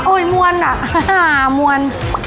อ๋ออ๋อโอ๊ยมวลอ่ะหมวล